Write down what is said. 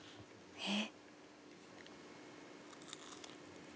えっ？